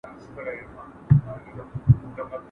چې مـــاته پکې ځان د ارمانونو قـاتل ښکاري